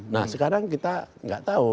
nah sekarang kita nggak tahu